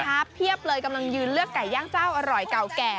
แล้วก็เขาขาเพียบเลยกำลังอยู่เลือกไก่ย่างเจ้าอร่อยก่าวแก่